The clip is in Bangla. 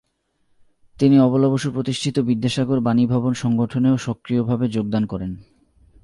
তিনি অবলা বসু প্রতিষ্ঠিত 'বিদ্যাসাগর বানীভবন''' সংগঠনেও সক্রিয়ভাবে যোগদান করেন।